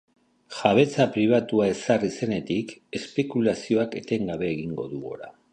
Jabetza pribatua ezarri zenetik, espekulazioak etengabe egin du gora.